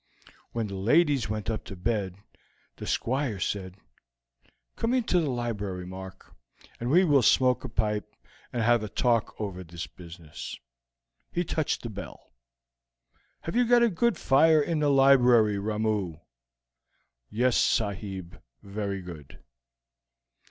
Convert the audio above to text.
When the ladies went up to bed the Squire said: "Come into the library, Mark, and we will smoke a pipe, and have a talk over this business." He touched the bell. "Have you got a good fire in the library, Ramoo?" "Yes, sahib, very good."